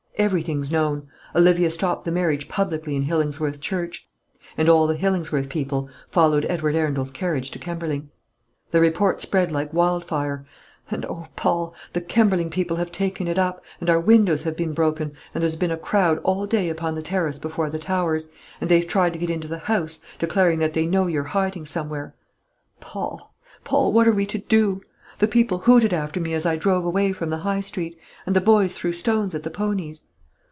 Everything's known. Olivia stopped the marriage publicly in Hillingsworth Church; and all the Hillingsworth people followed Edward Arundel's carriage to Kemberling. The report spread like wildfire; and, oh Paul, the Kemberling people have taken it up, and our windows have been broken, and there's been a crowd all day upon the terrace before the Towers, and they've tried to get into the house, declaring that they know you're hiding somewhere. Paul, Paul, what are we to do? The people hooted after me as I drove away from the High Street, and the boys threw stones at the ponies.